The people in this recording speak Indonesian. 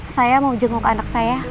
saya mau jenguk anak saya